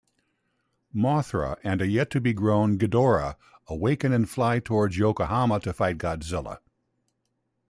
Mothra and a yet-to-be-grown Ghidorah awaken and fly towards Yokohama to fight Godzilla.